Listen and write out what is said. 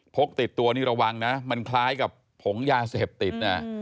กติดตัวนี่ระวังนะมันคล้ายกับผงยาเสพติด